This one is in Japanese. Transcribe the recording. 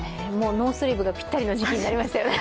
ノースリーブがぴったりの時期になりましたよね。